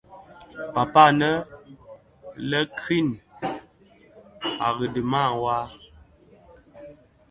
Paapaa anë lè Krine mawar.